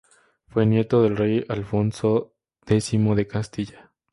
Fue nieto del rey Alfonso X de Castilla.